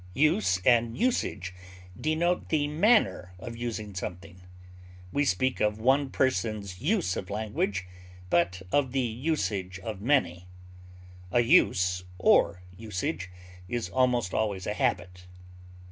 Use and usage denote the manner of using something; we speak of one person's use of language, but of the usage of many; a use or usage is almost always a habit.